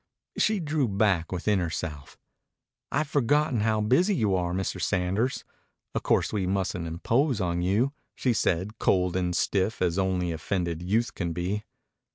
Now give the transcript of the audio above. She drew back within herself. "I'd forgotten how busy you are, Mr. Sanders. Of course we mustn't impose on you," she said, cold and stiff as only offended youth can be.